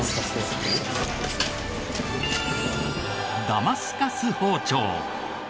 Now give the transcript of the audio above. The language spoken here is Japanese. ダマスカス包丁。